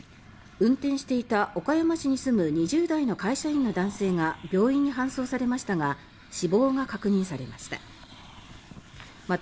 運転していた岡山市に住む２０代の会社員の男性が病院に搬送されましたが死亡が確認されました。